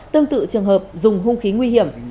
tương tự trường hợp dùng hung khí nguy hiểm